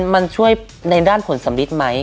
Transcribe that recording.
มันช่วยในด้านผลสำลิดไหม